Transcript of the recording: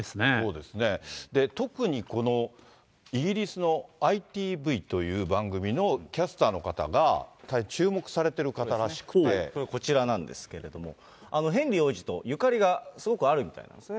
で、特にこのイギリスのＩＴＶという番組のキャスターの方が、こちらなんですけれども、ヘンリー王子とゆかりがすごくあるみたいなんですね。